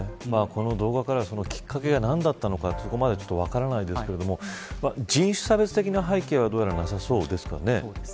この動画からは、きっかけが何だったのかそこまでは分からないですが人種差別的な背景はそうですね。